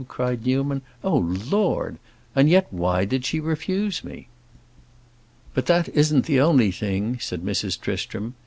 cried Newman. "Oh, Lord! And yet, why did she refuse me?" "But that isn't the only thing," said Mrs. Tristram.